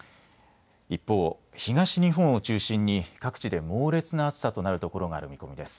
一方、東日本を中心に各地で猛烈な暑さとなるところがある見込みです。